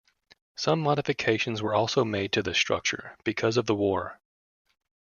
Some modifications were also made to the structure because of the war.